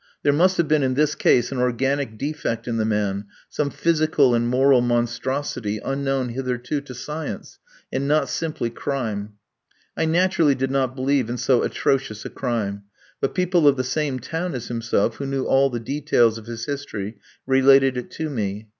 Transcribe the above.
There must have been in this case an organic defect in the man, some physical and moral monstrosity unknown hitherto to science, and not simply crime. I naturally did not believe in so atrocious a crime; but people of the same town as himself, who knew all the details of his history, related it to me.